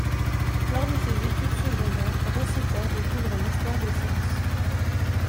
Lors de ses études secondaires, Rossiter découvre l'histoire des sciences.